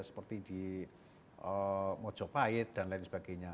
seperti di mojopahit dan lain sebagainya